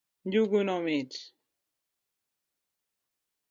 Njuguno mit